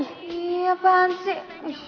iya apaan sih